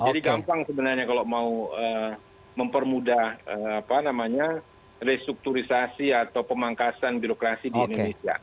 jadi gampang sebenarnya kalau mau mempermudah apa namanya restrukturisasi atau pemangkasan birokrasi di indonesia